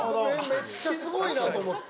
めっちゃすごいなと思って。